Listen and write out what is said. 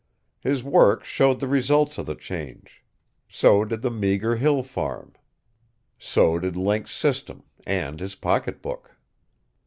His work showed the results of the change. So did the meager hill farm. So did Link's system and his pocketbook.